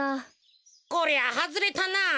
こりゃはずれたな。